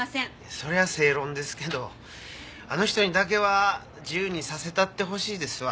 そりゃ正論ですけどあの人にだけは自由にさせたってほしいですわ。